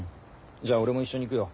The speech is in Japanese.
じゃあ俺も一緒に行くよ。